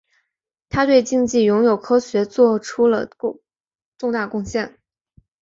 他对竞技游泳科学技术做出了重大贡献。